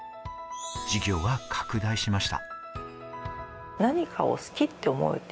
事業は拡大しました。